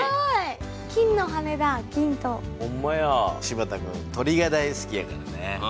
柴田くん鳥が大好きやからね。